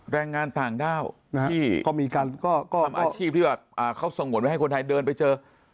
แรงงานต่างด้าวที่ก็มีการอาชีพที่แบบเขาสงวนไว้ให้คนไทยเดินไปเจอ